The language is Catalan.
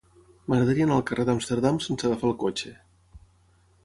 M'agradaria anar al carrer d'Amsterdam sense agafar el cotxe.